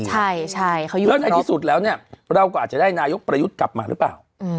ใช่แล้วในที่สุดแล้วเนี่ยเราก็อาจจะได้นายกประยุทธ์กลับมาหรือเปล่า